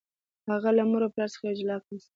هغه له مور او پلار څخه یو جلا کس دی.